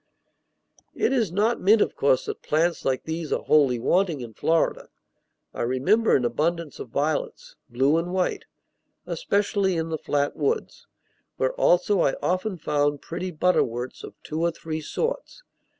It is not meant, of course, that plants like these are wholly wanting in Florida. I remember an abundance of violets, blue and white, especially in the flat woods, where also I often found pretty butterworts of two or three sorts.